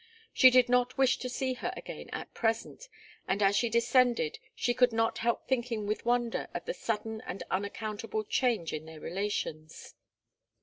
She did not wish to see her again at present, and as she descended she could not help thinking with wonder of the sudden and unaccountable change in their relations.